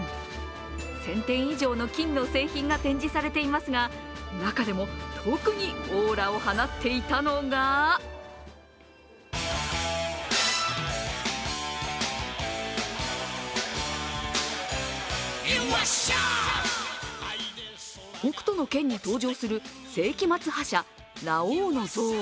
１０００点以上の金の製品が展示されていますが中でも特にオーラを放っていたのが「北斗の拳」に登場する世紀末覇者・ラオウの像。